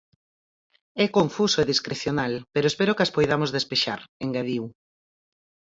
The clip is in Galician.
É confuso e discrecional, pero espero que as poidamos despexar, engadiu.